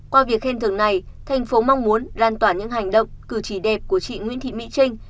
qua việc khen thưởng này thành phố mong muốn lan tỏa những hành động cử chỉ đẹp của chị nguyễn thị mỹ trinh